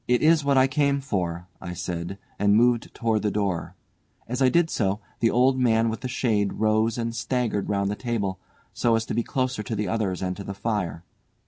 "It is what I came for," I said, and moved towards the door. As I did so, the old man with the shade rose and staggered round the table, so as to be closer to the others and to the fire.